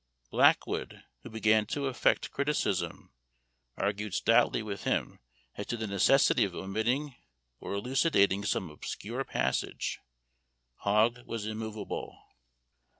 Blackwood, who began to affect criticism, argued stoutly with him as to the necessity of omitting or elucidating some obscure passage. Hogg was immovable.